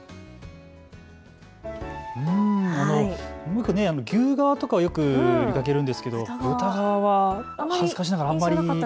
よく牛革とかはよく見かけるんですけど豚革は恥ずかしながらあんまり。